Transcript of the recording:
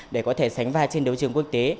để có thể sánh vai trên đấu trường quốc tế